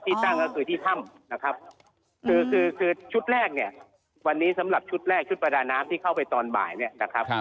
ที่ตั้งก็คือที่ถ้ำนะครับคือคือชุดแรกเนี่ยวันนี้สำหรับชุดแรกชุดประดาน้ำที่เข้าไปตอนบ่ายเนี่ยนะครับ